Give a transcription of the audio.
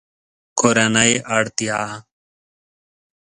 کورنۍ اړتیا